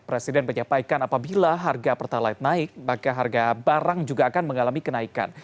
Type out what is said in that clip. presiden menyampaikan apabila harga pertalite naik maka harga barang juga akan mengalami kenaikan